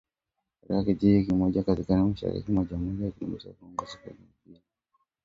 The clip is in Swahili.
katika kijiji kimoja kaskazini-mashariki mwa Jamhuri ya Kidemokrasi ya Kongo siku ya Jumapili